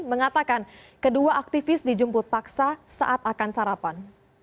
mengatakan kedua aktivis dijemput paksa saat akan sarapan